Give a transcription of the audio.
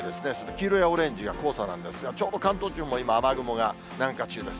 黄色やオレンジが黄砂なんですが、ちょうど関東地方も今、雨雲が南下中です。